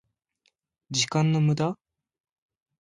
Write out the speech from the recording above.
時間の無駄？